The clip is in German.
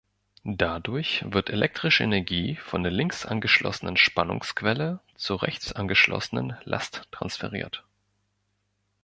Dadurch wird elektrische Energie von der links angeschlossenen Spannungsquelle zur rechts angeschlossenen Last transferiert.